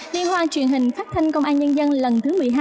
liên hoan truyền hình phát thanh công an nhân dân lần thứ một mươi hai